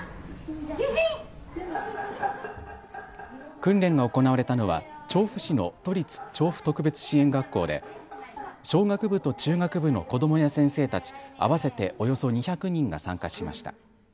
訓練が行われたのは調布市の都立調布特別支援学校で小学部と中学部の子どもや先生たち合わせておよそ２００人が参加しました。